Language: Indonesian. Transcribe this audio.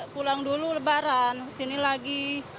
pulang dulu lebaran ke sini lagi